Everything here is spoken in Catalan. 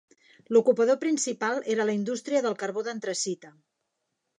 L'ocupador principal era la indústria del carbó d'antracita.